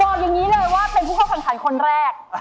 บอกอย่างนี้เลยว่าเป็นผู้เข้าแข่งขันคนแรก